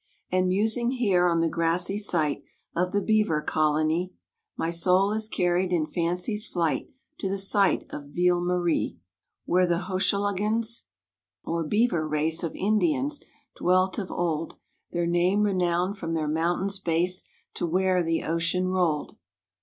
And musing here on the grassy site Of the beaver colony, My soul is carried in fancy's flight To the site of Ville Marie, Where the Hochelagans, or beaver race Of Indians, dwelt of old, Their name renowned from their mountain's base To where the ocean rolled.